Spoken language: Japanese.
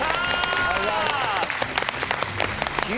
ありがとうございます。